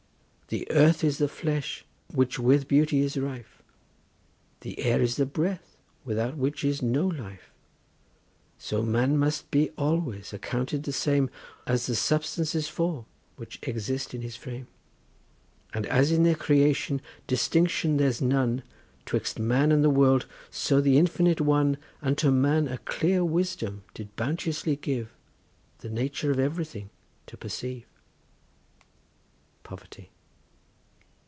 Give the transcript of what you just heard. The earth is the flesh which with beauty is rife, The air is the breath, without which is no life; So man must be always accounted the same As the substances four which exist in his frame. And as in their creation distinction there's none 'Twixt man and the world, so the Infinite One Unto man a clear wisdom did bounteously give The nature of everything to perceive. POVERTY.